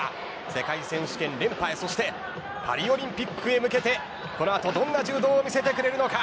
世界選手権連覇へそしてパリオリンピックへ向けてこの後どんな柔道を見せてくれるのか。